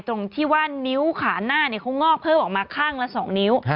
ตรงที่ว่านิ้วขาหน้าเขางอกเพิ่มออกมาข้างละ๒นิ้ว